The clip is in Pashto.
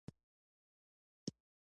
د عقرب د میاشتې نیمایي به وه چې آوازه شوه.